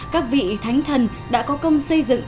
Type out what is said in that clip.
các vị thánh thần đã có công xây dựng